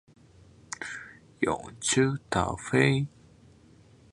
永雏塔菲